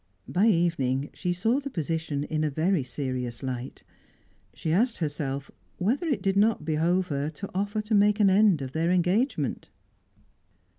By evening, she saw the position in a very serious light. She asked herself whether it did not behove her to offer to make an end of their engagement.